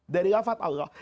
dari lafat allah